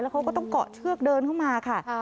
เขาก็ต้องเกาะเชือกเดินเข้ามาค่ะ